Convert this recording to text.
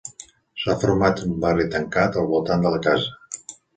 S'ha format un barri tancat al voltant de la casa.